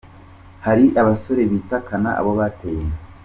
Hari abasore bitakana abo bateye inda….